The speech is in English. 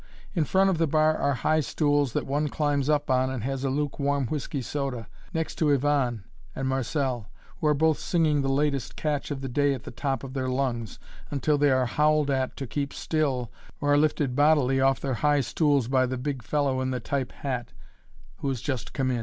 In front of the bar are high stools that one climbs up on and has a lukewarm whisky soda, next to Yvonne and Marcelle, who are both singing the latest catch of the day at the top of their lungs, until they are howled at to keep still or are lifted bodily off their high stools by the big fellow in the "type" hat, who has just come in.